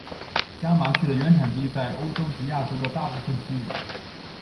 家麻雀的原产地在欧洲及亚洲的大部份区域。